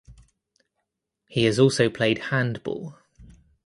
He has also played handball.